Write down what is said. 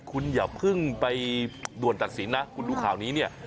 คุณอย่าเพิ่งไปด่วนตัดสินนะคุณดูข่าวนี้เนี่ย